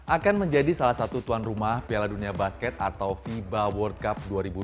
akan menjadi salah satu tuan rumah piala dunia basket atau fiba world cup dua ribu dua puluh